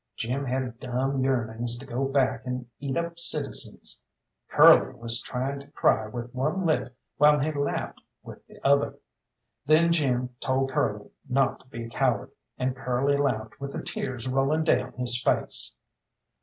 Jim had dumb yearnings to go back and eat up citizens, Curly was trying to cry with one lip while he laughed with the other. Then Jim told Curly not to be a coward, and Curly laughed with the tears rolling down his face.